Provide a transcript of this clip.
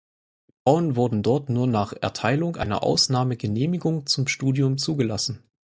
Frauen wurden dort nur nach Erteilung einer Ausnahmegenehmigung zum Studium zugelassen.